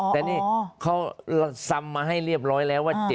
แต่นี่เขาซำมาให้เรียบร้อยแล้วว่า